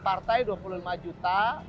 partai dua puluh lima juta